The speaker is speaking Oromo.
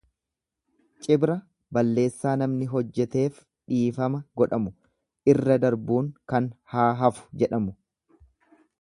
Cibra balleessaa namni hojjeteef dhiifama godhamu, irra darbuun kan haa hafu jedhamu.